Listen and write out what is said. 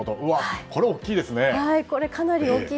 これは大きいですね。